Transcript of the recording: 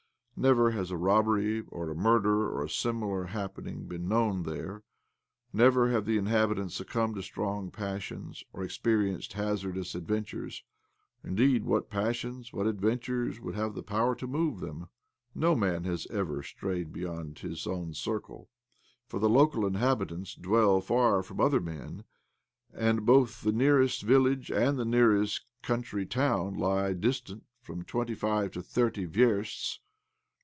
Never has a robbery or a murder or a similar happening been known there ; never have the inhabitants succumbed to strong passions, or experienced hazardous adventures. Indeed, what passions, what adventures would have the power to move them ? No man has ever strayed beyond his own circle, for the local inhabitants dwell far from other men, and both the nearest village and the nearest country town lie distant from twenty five to thirty versts.